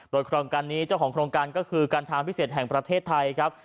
โดยโครงการนี้เจ้าของโครงการก็คือการทางพิเศษแห่งประเทศไทยครับ